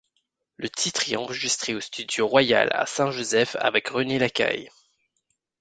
Le titre est enregistré au studio Royal à Saint-Joseph avec René Lacaille.